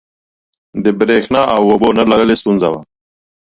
د برېښنا او اوبو نه لرل یې ستونزه وه.